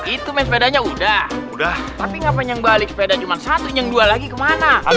itu mencadangnya udah udah tapi ngapain yang balik sepeda cuma satu yang dua lagi kemana